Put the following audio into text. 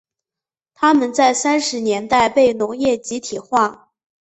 他们在三十年代被农业集体化。